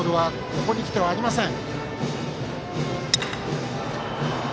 ここにきてはありません。